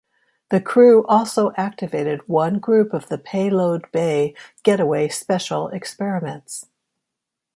The crew also activated one group of the payload bay Getaway Special experiments.